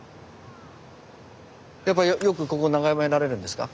やっぱよくここ眺められるんですか？